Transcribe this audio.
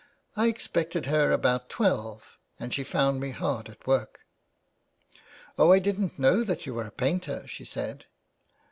I expected her about twelve, and she found me hard at work. 403 THE WAY BACK. "*0h, I didn't know that you were a painter/ she said.